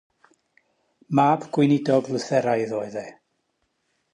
Mab gweinidog Lutheraidd oedd e.